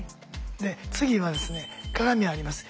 で次はですね鏡あります。